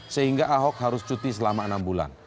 sehingga ahok harus cuti selama enam bulan